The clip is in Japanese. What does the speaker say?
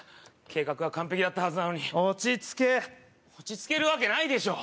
計画は完璧だったはずなのに落ち着け落ち着けるわけないでしょ！